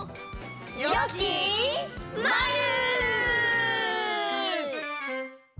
よきまる！